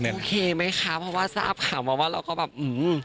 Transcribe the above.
โอเคไหมคะเพราะว่าทราบข่าวมาว่าเราก็แบบอืม